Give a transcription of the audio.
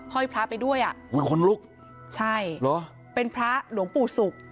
ห้อยพระไปด้วยอ่ะอุ้ยคนลุกใช่เหรอเป็นพระหลวงปู่ศุกร์